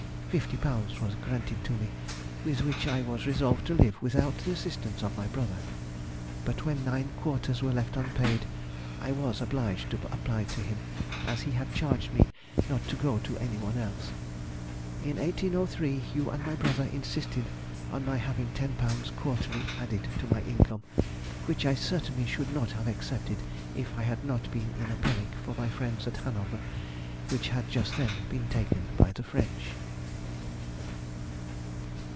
£50 were granted to me, with which I was resolved to live without the assistance of my brother; but when nine quarters were left unpaid I was obliged to apply to him, as he had charged me not to go to anyone else. In 1803, you and my brother insisted on my having £10 quarterly added to my income, which I certainly should not have accepted if I had not been in a panic for my friends at Hanover, which had just then been taken by the French.